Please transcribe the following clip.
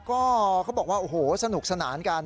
ก็เขาบอกว่าโอ้โหสนุกสนานกัน